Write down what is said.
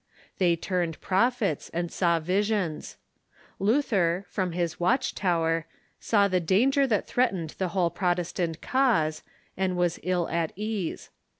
They turned prophets, and saw visions. Luther, from his watch tower, saw the danger that threatened the whole Protestant cause, and was ill at ease.